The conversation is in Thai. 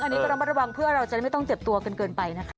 อันนี้ก็ระมัดระวังเพื่อเราจะได้ไม่ต้องเจ็บตัวกันเกินไปนะคะ